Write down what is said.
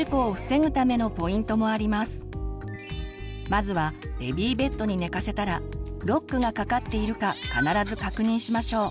まずはベビーベッドに寝かせたらロックがかかっているか必ず確認しましょう。